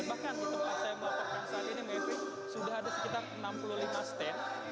dan bahkan di tempat saya melakukan saat ini mevri sudah ada sekitar enam puluh lima stand